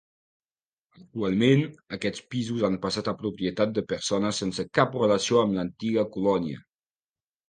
Actualment aquests pisos han passat a propietat de persones sense cap relació amb l'antiga colònia.